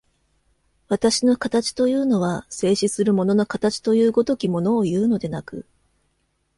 私の形というのは、静止する物の形という如きものをいうのでなく、